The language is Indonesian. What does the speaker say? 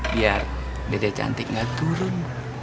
biar dede cantik nggak turun